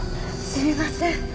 すみません